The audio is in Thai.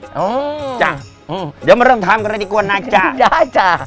อ๋อจ้ะเดี๋ยวมาเริ่มทำกันเลยดีกว่านายกได้จ้ะ